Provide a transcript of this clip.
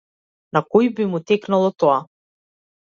На кој би му текнало тоа?